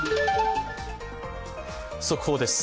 速報です。